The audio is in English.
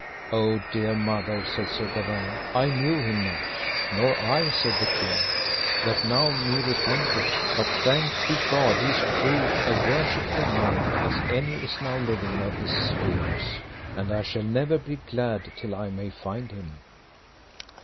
O dear mother, said Sir Gawaine, I knew him not. Nor I, said the king, that now me repenteth, but thanked be God he is proved a worshipful knight as any is now living of his years, and I shall never be glad till I may find him.